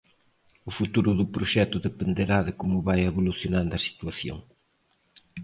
O futuro do proxecto dependerá de como vaia evolucionando a situación.